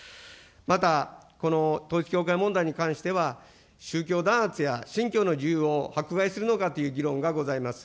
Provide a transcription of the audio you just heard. また、この統一教会問題に関しては、宗教弾圧や信教の自由を迫害するのかという議論がございます。